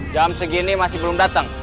jam segini masih belum datang